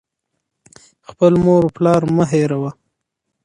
• خپل مور و پلار مه هېروه.